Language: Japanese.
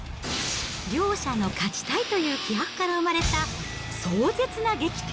両者の勝ちたいという気迫から生まれた壮絶な激闘。